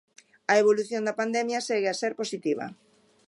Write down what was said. A evolución da pandemia segue a ser positiva.